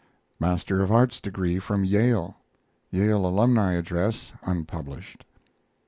Master of Arts degree from Yale. Yale Alumni address (unpublished).